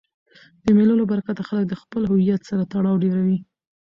د مېلو له برکته خلک د خپل هویت سره تړاو ډېروي.